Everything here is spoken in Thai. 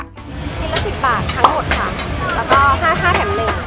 ชิ้นละ๑๐บาททั้งหมดค่ะแล้วก็๕แถม๑